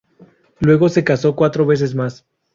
Luego se casó cuatro veces más.